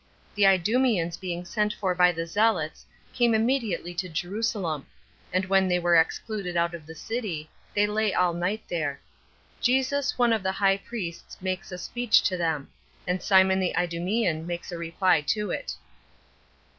The Idumeans Being Sent For By The Zealots, Came Immediately To Jerusalem; And When They Were Excluded Out Of The City, They Lay All Night There. Jesus One Of The High Priests Makes A Speech To Them; And Simon The Idumean Makes A Reply To It.